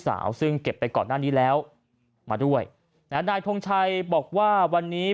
สาวซึ่งเก็บไปก่อนหน้านี้แล้วมาด้วยนะฮะนายทงชัยบอกว่าวันนี้